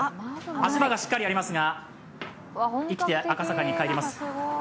足場がしっかりありますが、生きて赤坂に帰ります。